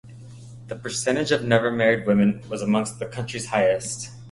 The percentage of never-married women was among the county's highest.